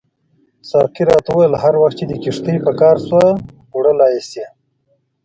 ساقي راته وویل هر وخت چې دې کښتۍ په کار شوه وړلای یې شې.